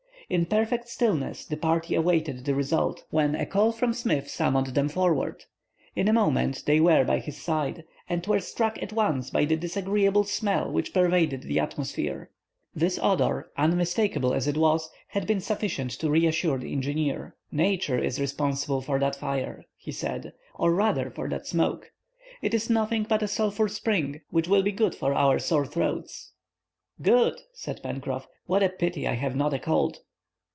In perfect stillness the party awaited the result, when a call from Smith summoned them forward. In a moment they were by his side, and were struck at once by the disagreeable smell which pervaded the atmosphere. This odor, unmistakable as it was, had been sufficient to reassure the engineer. "Nature is responsible for that fire," he said, "or rather for that smoke. It is nothing but a sulphur spring, which will be good for our sore throats." "Good!" said Pencroff; "what a pity I have not a cold!"